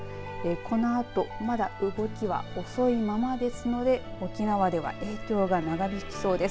このあとまだ動きは遅いままですので沖縄では影響が長引きそうです。